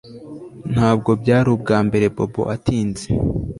Ntabwo bwari ubwambere Bobo atinze